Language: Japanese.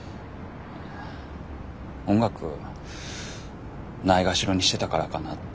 音楽ないがしろにしてたからかなって。